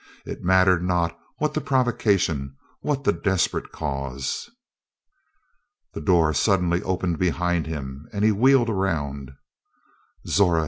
It mattered not what the provocation, what the desperate cause. The door suddenly opened behind him and he wheeled around. "Zora!"